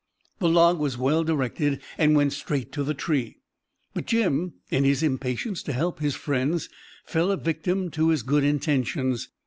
"The log was well directed, and went straight to the tree; but Jim, in his impatience to help his friends, fell a victim to his good intentions.